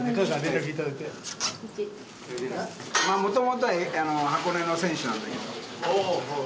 もともとは箱根の選手なんだけど。